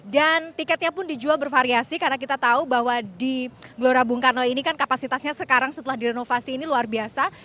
dan tiketnya pun dijual bervariasi karena kita tahu bahwa di gelora bung karno ini kan kapasitasnya sekarang setelah direnovasi ini luar biasa